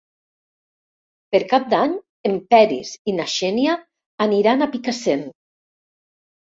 Per Cap d'Any en Peris i na Xènia aniran a Picassent.